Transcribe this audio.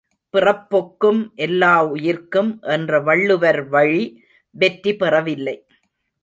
பிறப்பொக்கும் எல்லா உயிர்க்கும் என்ற வள்ளுவர்வழி வெற்றி பெறவில்லை.